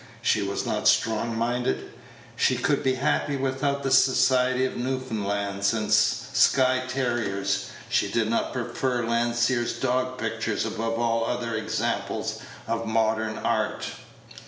She was not strong minded. She could be happy without the society of Newfoundlands and Skye terriers. She did not prefer Landseer's dog pictures above all other examples of modern art.